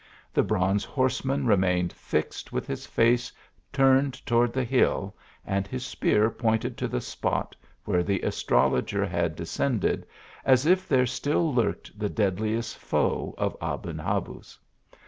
The bronze horseman remained fixed with his face turned toward the hill, and his spear pointed to the spot where the astrologer had descended, as if there still lurked the deadliest foe of Aben Habuz.